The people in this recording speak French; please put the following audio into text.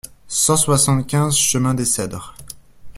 cent soixante-quinze chemin des Cedres